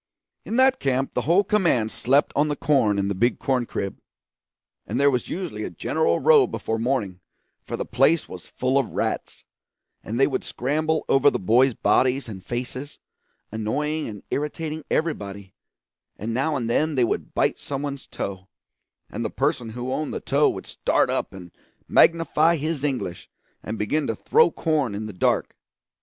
In that camp the whole command slept on the corn in the big corn crib; and there was usually a general row before morning, for the place was full of rats, and they would scramble over the boys' bodies and faces, annoying and irritating everybody; and now and then they would bite some one's toe, and the person who owned the toe would start up and magnify his English and begin to throw corn in the dark.